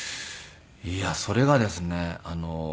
いやそれがですね